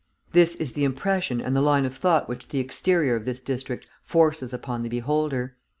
This is the impression and the line of thought which the exterior of this district forces upon the beholder.